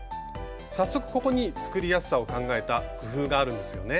早速ここに作りやすさを考えた工夫があるんですよね？